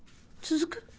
続く？